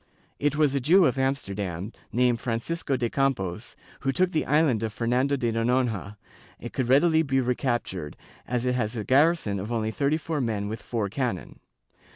It was a Jew of Amsterdam, named Francisco de Campos, who took the island of Fernando de Noronha; it could readily be re captured, as it has a garrison of only thirty four men with four cannon.